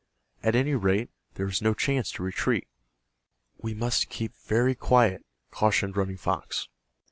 At any rate there was no chance to retreat. "We must keep very quiet," cautioned Running Fox.